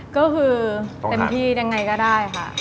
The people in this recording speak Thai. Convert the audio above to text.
ก็คือเต็มที่ยังไงก็ได้ค่ะ